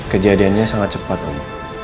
kejadiannya sangat cepat om